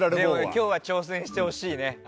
今日は挑戦してほしいね。